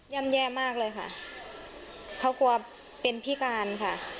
่ำแย่มากเลยค่ะเขากลัวเป็นพิการค่ะ